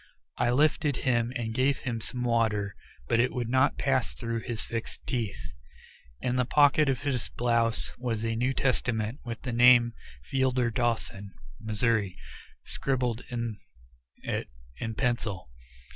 I lifted him and gave him some water, but it would not pass through his fixed teeth. In the pocket of his blouse was a New Testament with the name Fielder Dawson, Mo., scribbled in it in pencil.